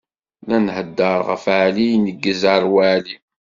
La nheddeṛ ɣef Ɛli ineggez ar Waɛli.